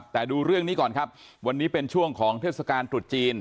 แต่ดูเรื่องนี้ก่อนครับวันนี้เป็นช่วงของเทศกาลตรุษจีน